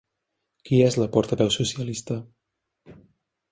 Qui és la portaveu socialista?